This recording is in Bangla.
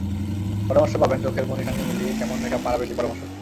পরামর্শ পাবেন চোখের মণির সঙ্গে মিলিয়ে কেমন মেকআপ মানাবে সেই পরামর্শও।